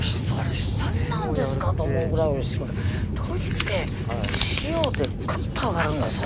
あれなんなんですかと思うぐらいおいしく鶏って塩でぐっと上がるんですね